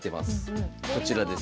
こちらです。